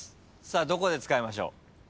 どこで使いましょう？